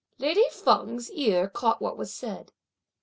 Lady Feng's ear caught what was said.